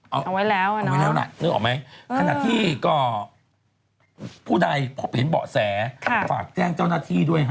ไม่ได้แล้วอะเนาะนึกออกไหมขณะที่ก็ผู้ใดพบเห็นเบาะแสฝากแจ้งเจ้าหน้าที่ด้วยฮะ